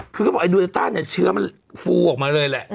คือเขาบอกไอดิต้าเนี่ยเชื้อมันฟูออกมาเลยแหละ